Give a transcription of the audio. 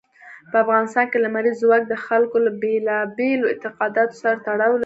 په افغانستان کې لمریز ځواک د خلکو له بېلابېلو اعتقاداتو سره تړاو لري.